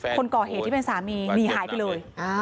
คนก่อเหตุที่เป็นสามีหนีหายไปเลย